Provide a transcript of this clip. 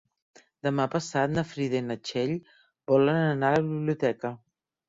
Demà passat na Frida i na Txell volen anar a la biblioteca.